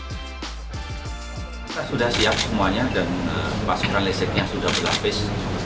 kita sudah siap semuanya dan pasokan listriknya sudah berlapis